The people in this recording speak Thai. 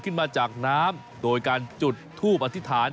ขึ้นมาจากน้ำโดยการจุดทูปอธิษฐาน